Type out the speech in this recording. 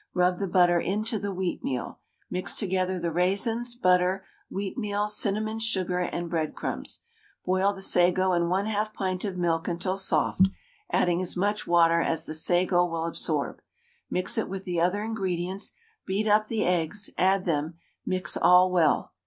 Rub the butter into the wheatmeal. Mix together the raisins, butter, wheatmeal, cinnamon, sugar, and breadcrumbs. Boil the sago in 1/2 pint of milk until soft, adding as much water as the sago will absorb. Mix it with the other ingredients, beat up the eggs, add them, and mix all well.